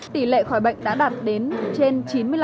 tỷ lệ khỏi bệnh đã đạt đến trên chín mươi năm